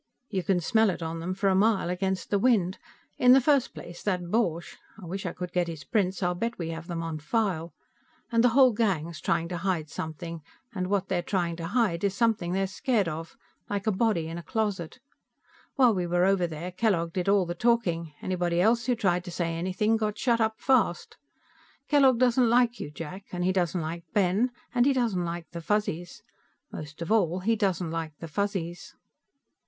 "You can smell it on them for a mile, against the wind. In the first place, that Borch. I wish I could get his prints; I'll bet we have them on file. And the whole gang's trying to hide something, and what they're trying to hide is something they're scared of, like a body in a closet. When we were over there, Kellogg did all the talking; anybody else who tried to say anything got shut up fast. Kellogg doesn't like you, Jack and he doesn't like Ben, and he doesn't like the Fuzzies. Most of all he doesn't like the Fuzzies."